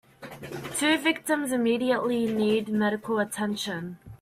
Two victims immediately need medical attention.